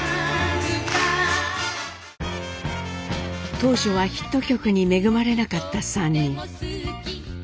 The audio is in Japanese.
当初はヒット曲に恵まれなかった３人。